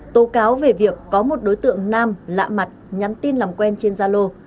tố cáo về việc có một đối tượng nam lạ mặt nhắn tin làm quen trên gia lô